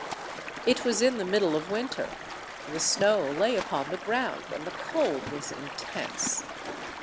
"It was in the middle of winter: the snow lay upon the ground; and the cold was intense.